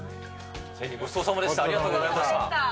ごちそうさまでした。